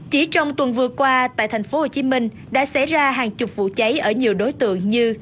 chỉ trong tuần vừa qua tại thành phố hồ chí minh đã xảy ra hàng chục vụ cháy ở nhiều đối tượng như